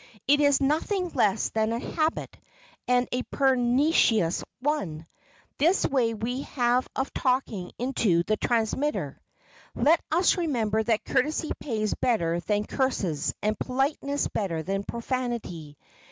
It is nothing less than a habit, and a pernicious one,—this way we have of talking into the transmitter. Let us remember that courtesy pays better than curses, and politeness better than profanity.